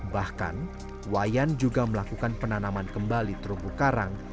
bahkan iwayan juga melakukan penanaman kembali terupu karang